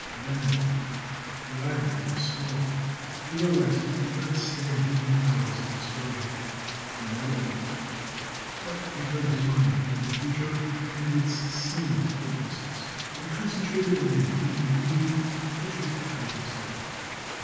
Then what? The island was small. He realized he could not stand many hours of exposure. Inevitably But he turned his mind from the future and its seeming hopelessness, and concentrated on the immediate need, which was to hide himself.